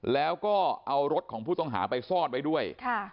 แล้วก็เอารถของผู้ต้องหาไปซ่อนไว้ด้วย